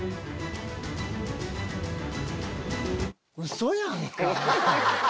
うそやんか。